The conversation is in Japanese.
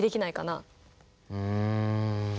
うん。